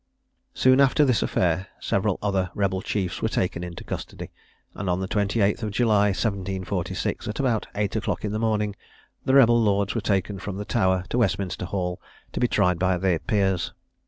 Soon after this affair, several other rebel chiefs were taken into custody; and on the 28th July 1746, at about eight o'clock in the morning, the rebel lords were taken from the Tower to Westminster Hall, to be tried by their peers.